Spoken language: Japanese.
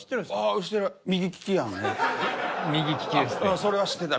うんそれは知ってた。